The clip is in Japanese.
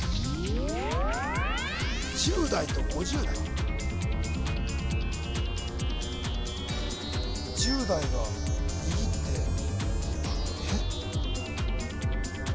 １０代と５０代１０代が右手えっ？